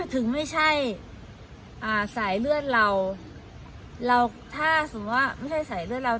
ถึงไม่ใช่อ่าสายเลือดเราเราถ้าสมมุติว่าไม่ใช่สายเลือดเรา